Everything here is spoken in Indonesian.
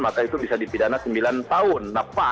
maka itu bisa dipidana sembilan tahun